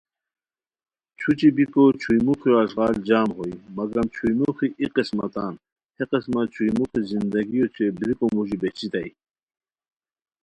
چھوچی بیکو چھوئی موخیو اݱغال جم ہوئے مگم چھوئی موخی ای قسمہ تان ہے قسمہ چھوئی موخی زندگی اوچے بریکو موژی بہچیتائے